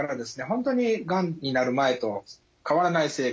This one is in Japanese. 本当にがんになる前と変わらない生活。